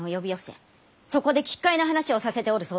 そこで奇怪な話をさせておるそうではないか！